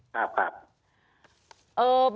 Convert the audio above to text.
ครับครับ